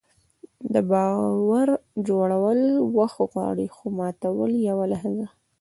د باور جوړول وخت غواړي، خو ماتول یوه لحظه.